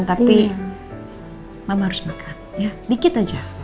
tapi mama harus makan ya dikit aja